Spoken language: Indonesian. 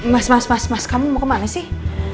mas mas mas mas kamu mau kemana sih